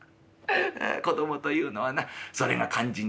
子供というのはなそれが肝心だ。